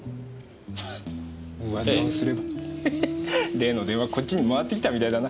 例の電話こっちに回ってきたみたいだな。